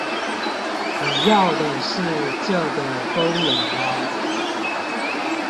你要的是這個功能嗎？